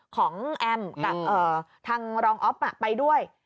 ของแอมกับทางรองอ๊อฟไปด้วย